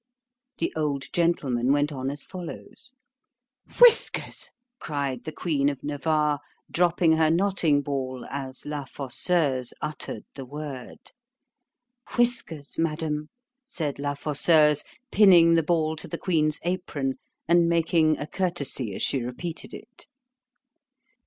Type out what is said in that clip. The old gentleman went on as follows:——Whiskers! cried the queen of Navarre, dropping her knotting ball, as La Fosseuse uttered the word——Whiskers, madam, said La Fosseuse, pinning the ball to the queen's apron, and making a courtesy as she repeated it.